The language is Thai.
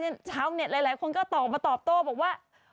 ชาวเน็ตหลายคนก็ตอบมาตอบโต้บอกว่า